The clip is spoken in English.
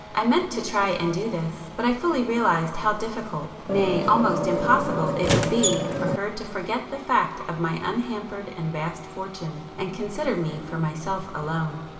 I meant to try and do this, but I fully realized how difficult, nay, almost impossible it would be for her to forget the fact of my unhampered and vast fortune, and consider me for myself alone.